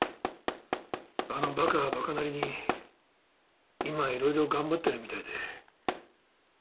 あのバカはバカなりに今はいろいろ頑張ってるみたいで。